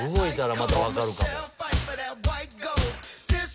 また分かるかも。